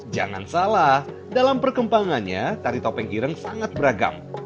jangan salah dalam perkembangannya tari topeng ireng sangat beragam